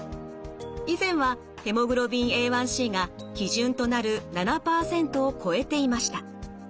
以前はヘモグロビンＡ１ｃが基準となる７％を超えていました。